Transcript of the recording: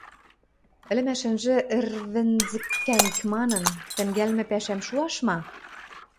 ӹлӹмӓш ӹнжӹ ӹрвӹнзӹкӓнг манын, тӹнгӓлмӹ пӓшӓм шуаш ма?